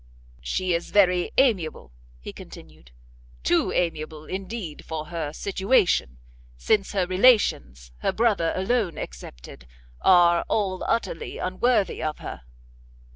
"She is very amiable," he continued, "too amiable, indeed, for her situation, since her relations, her brother alone excepted, are all utterly unworthy of her."